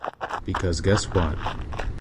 Because guess what?